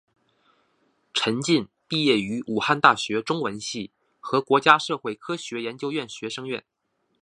陈晋毕业于武汉大学中文系和中国社会科学院研究生院。